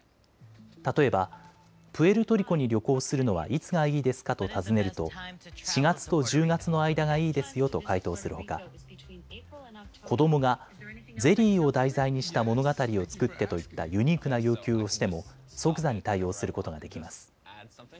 例えばプエルトリコに旅行するのはいつがいいですかと尋ねると４月と１０月の間がいいですよと回答するほか、子どもがゼリーを題材にした物語を作ってといったユニークな要求をしても即座に対応することができます。